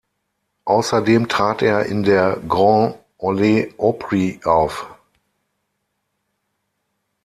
Außerdem trat er in der Grand Ole Opry auf.